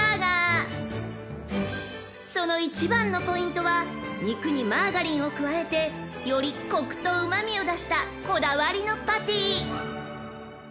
［その一番のポイントは肉にマーガリンを加えてよりコクとうま味を出したこだわりのパティ］